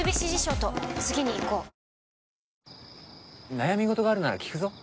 悩み事があるなら聞くぞ。